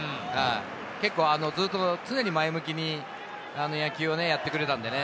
結構ずっと常に前向きに野球をやってくれたんでね。